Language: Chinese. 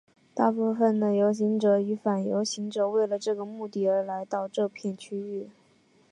大部分的游行者与反游行者为了这个目的而来到这片区域。